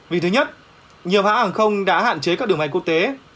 vì thứ nhất nhiều hãng không đã hạn chế các đường máy quốc tế